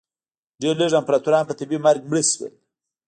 ډېر لږ امپراتوران په طبیعي مرګ مړه شول